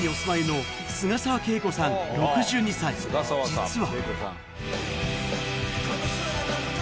実は